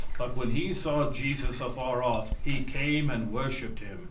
"But when he saw Jesus afar off, he came and worshiped him.